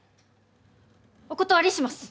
お断りします！